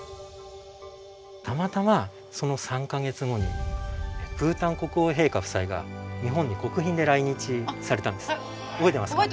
たまたまその３か月後にブータン国王陛下夫妻が日本に国賓で来日されたんですね。